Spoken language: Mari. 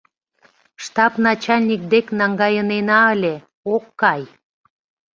— Штаб начальник дек наҥгайынена ыле — ок кай.